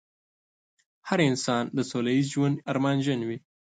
هر انسان د سوله ييز ژوند ارمانجن وي.